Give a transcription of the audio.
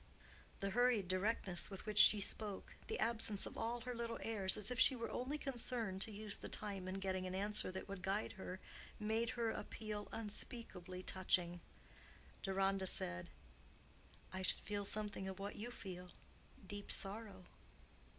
The hurried directness with which she spoke—the absence of all her little airs, as if she were only concerned to use the time in getting an answer that would guide her, made her appeal unspeakably touching. Deronda said, "I should feel something of what you feel—deep sorrow."